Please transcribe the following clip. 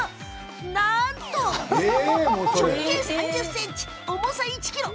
なんと、直径３０ｃｍ重さ、１ｋｇ！